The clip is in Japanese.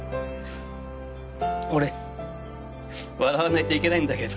俺笑わないといけないんだけど。